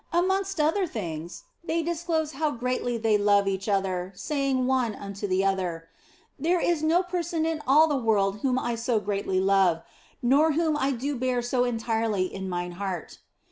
Amongst other things, they disclose how greatly they love each other, saying one unto the other, " There is no person in all the world whom I so greatly love, nor whom I do bear so entirely in mine heart."